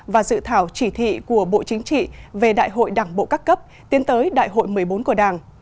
và dự thảo chỉ thị của bộ chính trị về đại hội đảng bộ các cấp tiến tới đại hội một mươi bốn của đảng